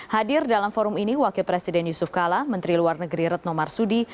hadir dalam forum ini wakil presiden yusuf kala menteri luar negeri retno marsudi